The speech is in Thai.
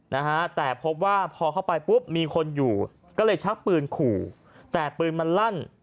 นะฮะแต่พบว่าพอเข้าไปปุ๊บมีคนอยู่ก็เลยชักปืนขู่แต่ปืนมันลั่น